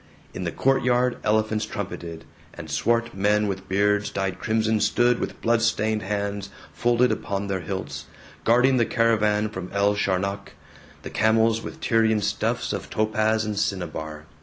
In the courtyard, elephants trumpeted, and swart men with beards dyed crimson stood with blood stained hands folded upon their hilts, guarding the caravan from El Sharnak, the camels with Tyrian stuffs of topaz and cinnabar.